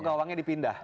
atau gawangnya dipindah